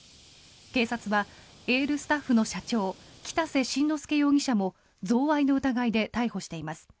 警察はエールスタッフの社長北瀬真之亮容疑者も贈賄の疑いで逮捕しています。